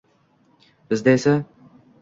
Bizda esa…